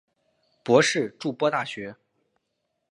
博士筑波大学。